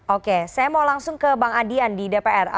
oke saya mau langsung ke bang adian di dpr